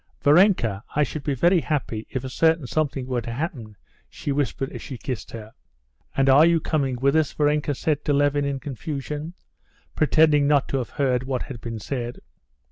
"Varenka, I should be very happy if a certain something were to happen," she whispered as she kissed her. "And are you coming with us?" Varenka said to Levin in confusion, pretending not to have heard what had been said.